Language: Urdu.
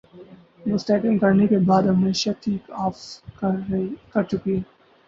مستحکم کرنے کے بعد اب معیشت ٹیک آف کر چکی ہے